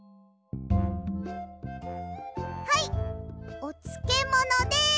はいおつけものです。